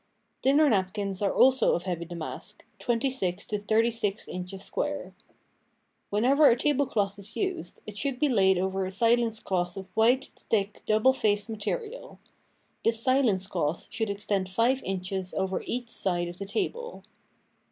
Dinner napkins are also of heavy damask, twenty six to thirty six inches square. Whenever a table cloth is used, it should be laid over a silence cloth of white, thick, double faced material. This silence cloth should extend five inches over each side of the table.